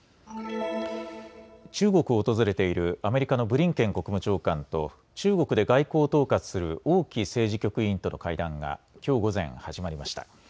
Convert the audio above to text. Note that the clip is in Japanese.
中国を訪れているアメリカのブリンケン国務長官と中国で外交を統括する王毅政治局委員との会談がきょう午前、始まりました。